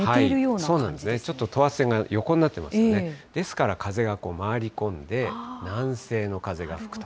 そうですね、ちょっと等圧線が横になってまして、ですから風が回り込んで、南西の風が吹くと。